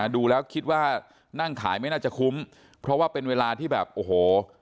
ดูแล้วคิดว่านั่งขายไม่น่าจะคุ้มเพราะว่าเป็นเวลาที่แบบโอ้โห